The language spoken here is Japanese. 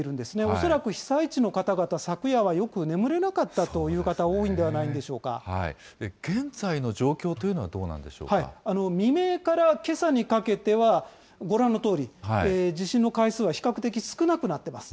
恐らく被災地の方々、昨夜はよく眠れなかったという方、現在の状況というのはどうな未明からけさにかけては、ご覧のとおり、地震の回数は比較的少なくなっています。